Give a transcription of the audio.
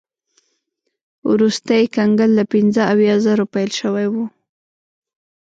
وروستی کنګل له پنځه اویا زرو پیل شوی و.